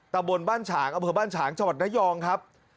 แต่บนบ้านฉางเอาเผื่อบ้านฉางจังหวัดนายองครับ